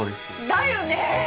だよね！